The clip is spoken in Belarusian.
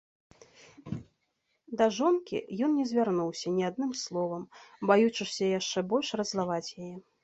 Да жонкі ён не звярнуўся ні адным словам, баючыся яшчэ больш раззлаваць яе.